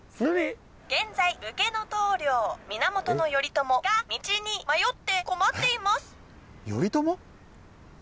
現在武家の棟梁源頼朝が道に迷って困っています。